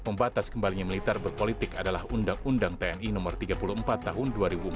pembatas kembalinya militer berpolitik adalah undang undang tni no tiga puluh empat tahun dua ribu empat